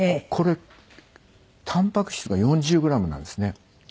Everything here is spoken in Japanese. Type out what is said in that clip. これタンパク質が４０グラムなんですね。